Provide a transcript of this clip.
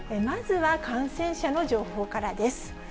まずは感染者の情報からです。